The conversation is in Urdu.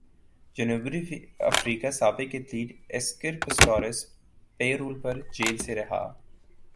جنوبی افریقہ سابق ایتھلیٹ اسکر پسٹوریس پیرول پر جیل سے رہا